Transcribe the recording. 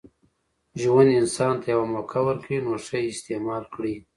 ژوند انسان ته یوه موکه ورکوي، نوښه ئې استعیمال کړئ!